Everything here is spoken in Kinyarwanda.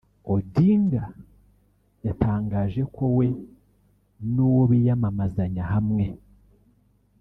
Odinga yatangaje ko we n’uwo biyamamazanya hamwe